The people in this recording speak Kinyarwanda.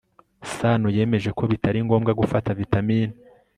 sano yemeje ko bitari ngombwa gufata vitamine